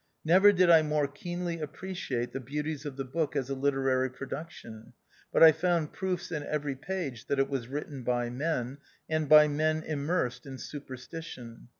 Never did I more keenly appreciate the beauties of the book as a literary production ; but I found proofs in every page that it was written by men, and by men immersed in superstition.